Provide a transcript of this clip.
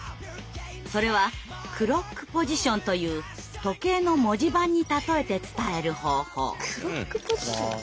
それは「クロックポジション」という時計の文字盤に例えて伝える方法。